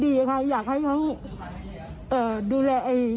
เห้ยพวกเราช่วยพวกเราอีก